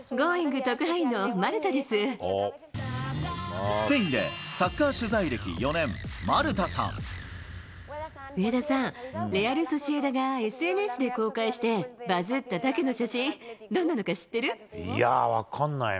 特派スペインでサッカー取材歴４年、上田さん、レアルソシエダがＳＮＳで公開して、バズったタケの写真、どんないや、分かんないな。